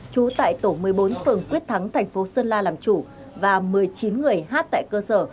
trú tại tổ một mươi bốn phường quyết thắng thành phố sơn la làm chủ và một mươi chín người hát tại cơ sở